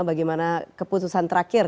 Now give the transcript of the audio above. bagaimana keputusan terakhir